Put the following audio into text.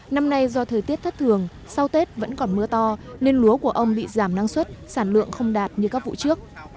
năm nay do thời tiết thất thường sau tết vẫn còn mưa to nên lúa của ông bị giảm năng suất sản lượng không đạt như các vụ trước